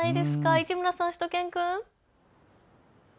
市村さん、しゅと犬くん。